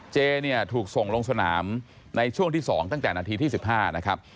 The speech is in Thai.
เจเนี่ยถูกส่งลงสนามในช่วงที่๒ตั้งแต่นาทีที่๑๕นะครับ